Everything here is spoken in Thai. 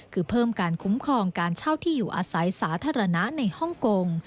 คือเพิ่มการคุ้มครองการเช่าที่อยู่อาศัยสาธารณะในฮ่องกง